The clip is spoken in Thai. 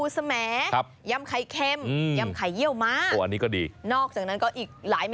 ใส่ครกนี่